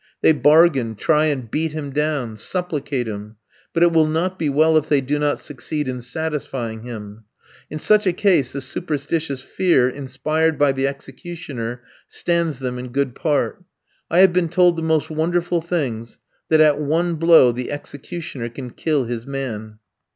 They bargain, try and beat him down, supplicate him; but it will not be well if they do not succeed in satisfying him. In such a case the superstitious fear inspired by the executioner stands them in good part. I had been told the most wonderful things that at one blow the executioner can kill his man.